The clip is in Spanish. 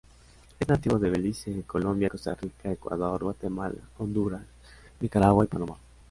Es nativo de Belice, Colombia, Costa Rica, Ecuador, Guatemala, Honduras, Nicaragua y Panamá.